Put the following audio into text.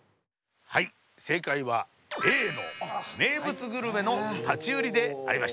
正解は「Ａ」の名物グルメの立ち売りでありました。